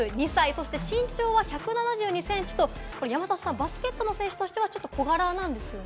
そして身長は１７２センチとバスケットの選手としては小柄なんですよね。